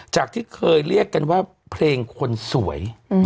ที่เคยเรียกกันว่าเพลงคนสวย